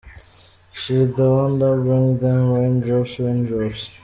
She the one that bring them rain drops, rain drops.